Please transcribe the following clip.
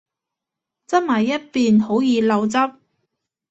側埋一邊好易漏汁